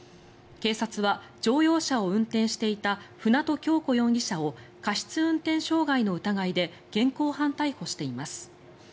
警察は乗用車を運転していた舟渡今日子容疑者を過失運転傷害の疑いで現行犯逮捕しています。